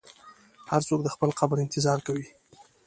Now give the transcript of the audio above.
هر څوک د خپل قبر انتظار کوي.